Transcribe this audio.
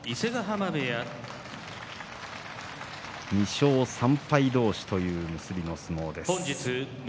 ２勝３敗同士という結びの相撲です。